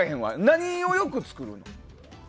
何をよく作る？